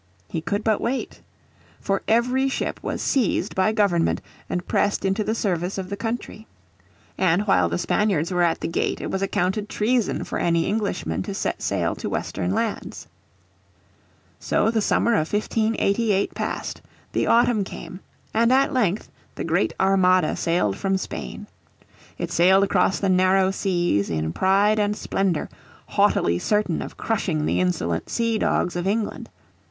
He could but wait. For every ship was seized by Government and pressed into the service of the country. And while the Spaniards were at the gate it was accounted treason for any Englishman to sail to western lands. So the summer of 1588 passed, the autumn came, and at length the great Armada sailed from Spain. It sailed across the narrow seas in pride and splendour, haughtily certain of crushing the insolent sea dogs of England.